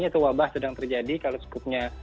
atau wabah sedang terjadi kalau skupnya